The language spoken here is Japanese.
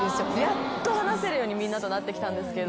やっと話せるようにみんなとなってきたんですけど。